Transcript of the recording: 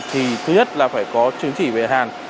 thứ nhất là phải có chứng chỉ về hàn